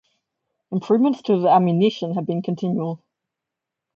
Improvements to the ammunition have been continual.